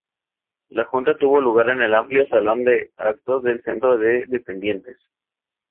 La Junta tuvo lugar en el amplio salón de actos del Centro de Dependientes.